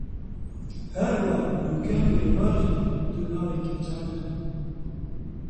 Herwiha Rûken û Êvar jî dû navên keçan e